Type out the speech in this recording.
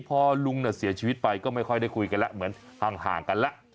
พอลุงเสียชีวิตไปก็ไม่ค่อยได้คุยกันแล้วเหมือนห่างกันแล้ว